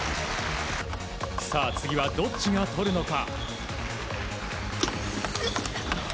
次はどっちがとるのか。